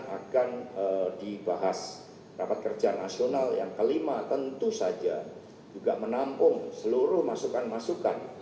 akan dibahas rapat kerja nasional yang kelima tentu saja juga menampung seluruh masukan masukan